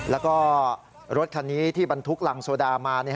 แล้วก็รถคันนี้ที่บรรทุกรังโซดามา